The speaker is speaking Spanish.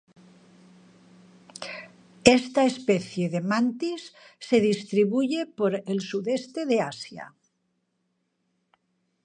Esta especie de mantis se distribuye por el sudeste de Asia.